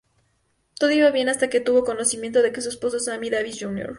Todo iba bien hasta que tuvo conocimiento de que su esposo Sammy Davis Jr.